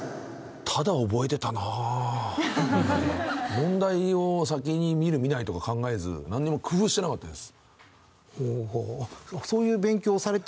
問題を先に見る見ないとか考えずなんにも工夫してなかったです。